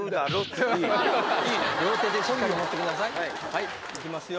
はいいきますよ